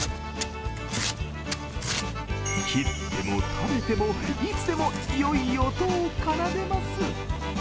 切っても食べてもいつでもよい音を奏でます。